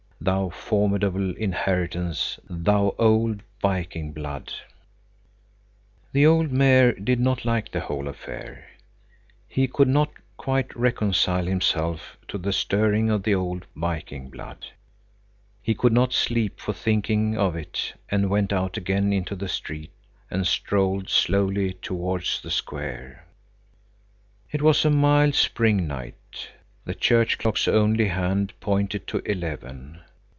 Thou formidable inheritance, thou old Viking blood! The old Mayor did not like the whole affair. He could not quite reconcile himself to the stirring of the old Viking blood. He could not sleep for thinking of it, and went out again into the street and strolled slowly towards the square. It was a mild spring night. The church clock's only hand pointed to eleven.